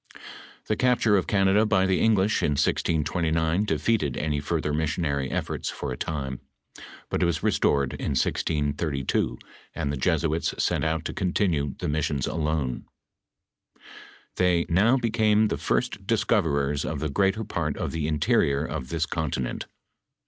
The capture of Canada by the English, in 1629, defeated any further missionary efibrts for a time; but it was restored in 1632, and tlie Jesuits sent out to continue the mis sions alone. Tliey "now became the first discoverers of the greater part of the interior of this continent.